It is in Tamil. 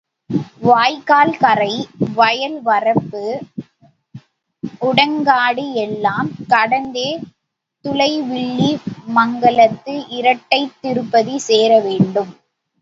வாய்க்கால் கரை, வயல் வரப்பு உடங்காடு எல்லாம் கடந்தே துலை வில்லி மங்கலத்து இரட்டைத் திருப்பதி சேர வேண்டும்.